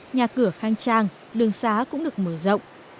nhà cửa khang trang đường xá cũng được mở rộng